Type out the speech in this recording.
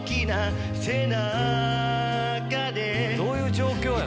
どういう状況やの。